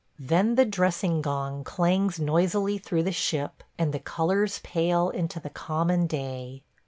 Then the dressing gong clangs noisily through the ship and the colors pale into the common day.